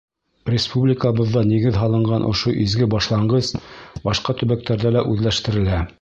Республикабыҙҙа нигеҙ һалынған ошо изге башланғыс башҡа төбәктәрҙә лә үҙләштерелә.